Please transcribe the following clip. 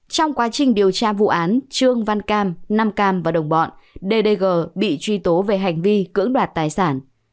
trong quá trình điều tra vụ án trương văn cam nam cam và đồng bọn ddg bị truy tố về hành vi cưỡng đoạt tài sản